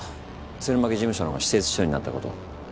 鶴巻事務所の私設秘書になったこと。